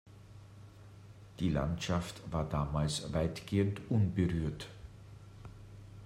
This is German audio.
Die Landschaft war damals weitgehend unberührt.